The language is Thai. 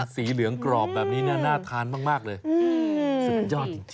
สีเหลืองกรอบแบบนี้น่าทานมากเลยสุดยอดจริง